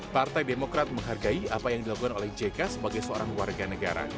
partai demokrat menghargai apa yang dilakukan oleh jk sebagai seorang warga negara